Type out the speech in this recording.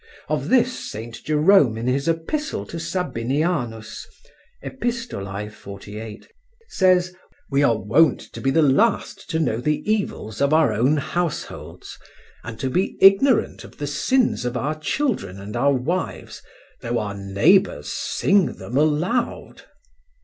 Of this St. Jerome in his epistle to Sabinianus (Epist. 48) says: "We are wont to be the last to know the evils of our own households, and to be ignorant of the sins of our children and our wives, though our neighbours sing them aloud."